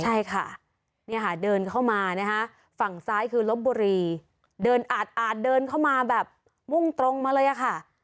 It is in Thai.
ใช่ค่ะเนี่ยค่ะเดินเข้ามานะคะฝั่งซ้ายคือลบบุรีเดินอาดเดินเข้ามาแบบมุ่งตรงมาเลยอะค่ะ